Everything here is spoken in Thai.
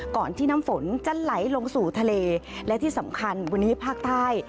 ก่อนที่น้ำฝนจะไหลลงสู่ทะเลและที่สำคัญวันนี้ภาคใต้